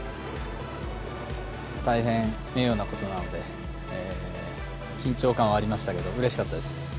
大変名誉なことなので、緊張感はありましたけど、うれしかったです。